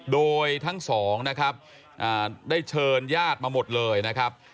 โดยทั้งสองนะครับได้เชิญญาติมาหมดเลยนะครับ